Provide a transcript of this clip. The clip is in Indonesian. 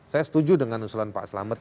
saya setuju dengan usulan pak selamet